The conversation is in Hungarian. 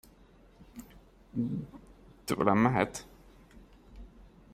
Tőlem mehet.